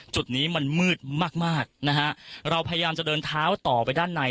จุดนี้มันมืดมากมากนะฮะเราพยายามจะเดินเท้าต่อไปด้านใน